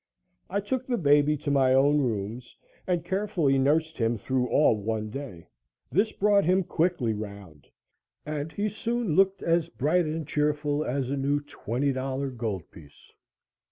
I took the baby to my own rooms and carefully nursed him through all one day. This brought him quickly round, and he soon looked as bright and cheerful as a new twenty dollar gold piece.